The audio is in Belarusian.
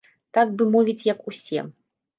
Так бы мовіць, як усе.